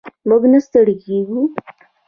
موږ نه ستړي کیږو.